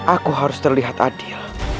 aku harus terlihat adil